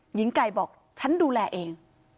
หญิงไก่บอกฉันดูแลเอง